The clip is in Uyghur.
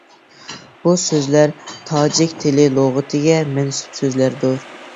بۇ سۆزلەر تاجىك تىلى لۇغىتىگە مەنسۇپ سۆزلەردۇر.